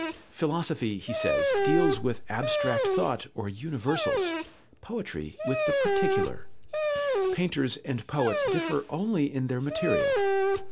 Philosophy, he says, deals with abstract thought or universals, poetry with the particular. Painters and poets differ only in their material.